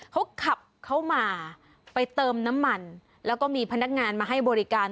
เขาขับเข้ามาไปเติมน้ำมันแล้วก็มีพนักงานมาให้บริการ